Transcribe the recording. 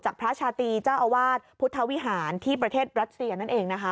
พระชาตรีเจ้าอาวาสพุทธวิหารที่ประเทศรัสเซียนั่นเองนะคะ